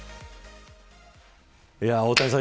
大谷さん